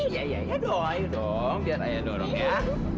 ya ya ya doh ayo dong biar ayah dorong ya